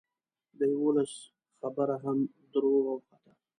د یوولسو خبره هم دروغه وخته.